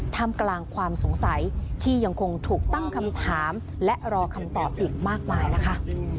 ทำกลางความสงสัยที่ยังคงถูกตั้งคำถามและรอคำตอบอีกมากมายนะคะ